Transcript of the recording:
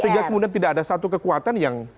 sehingga kemudian tidak ada satu kekuatan yang